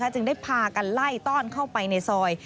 จึงได้พากันไล่ต้อนเข้าไปในซอย